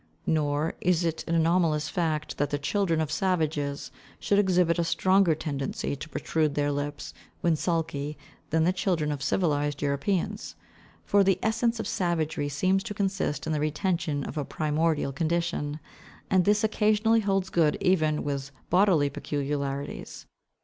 Nor is it an anomalous fact that the children of savages should exhibit a stronger tendency to protrude their lips, when sulky, than the children of civilized Europeans; for the essence of savagery seems to consist in the retention of a primordial condition, and this occasionally holds good even with bodily peculiarities.